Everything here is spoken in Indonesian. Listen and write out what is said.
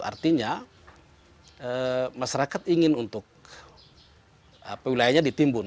artinya masyarakat ingin untuk wilayahnya ditimbun